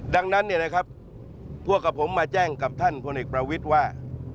ดังนั้นเนี่ยนะครับพวกกับผมมาแจ้งกับท่านพลเอกประวิทย์ว่า